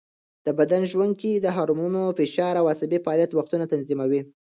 د بدن ژوڼکې د هارمونونو، فشار او عصبي فعالیت وختونه تنظیموي.